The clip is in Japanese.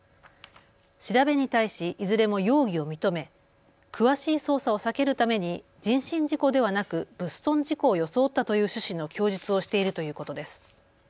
調べに対しいずれも容疑を認め詳しい捜査を避けるために人身事故ではなく物損事故を装ったという趣旨の供述をしているということです。